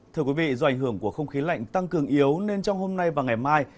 thưa quý vị do ảnh hưởng của không khí lạnh tăng cường yếu nên trong hôm nay và ngày mai